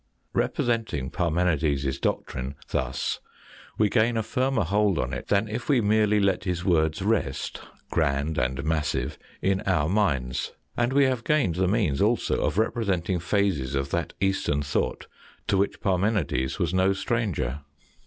Kepresenting Parmenides' doctrine thus, we gain a firmer hold on it than if we merely let his words rest, grand and massive, in our minds. And we have gained the means also of representing phases of that Eastern thought to which Parmenides was no stranger.